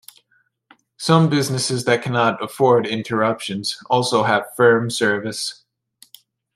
Some businesses that cannot afford interruptions also have firm service.